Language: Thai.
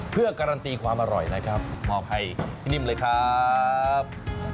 เพื่อการันตีความอร่อยนะครับมอบให้พี่นิ่มเลยครับ